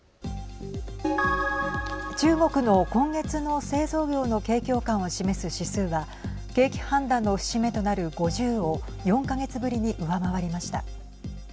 中国の今月の製造業の景況感を示す指数は景気判断の節目となる５０を４か月ぶりに上回りました。